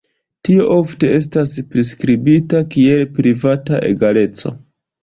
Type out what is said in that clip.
Tio ofte estas priskribita kiel privata egaleco.